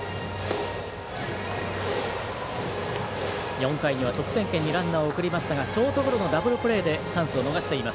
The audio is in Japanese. ４回には得点圏にランナーを送りましたがショートゴロのダブルプレーでチャンスを逃しています